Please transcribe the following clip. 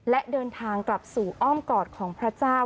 และเดินทางกลับสู่อ้อมกอดของพระเจ้า